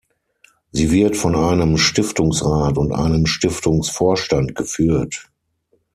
Sie wird von einem Stiftungsrat und einem Stiftungsvorstand geführt.